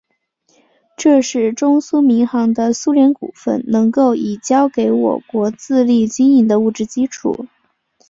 这是中苏民航的苏联股份能够已交给我国自力经营的物质基础。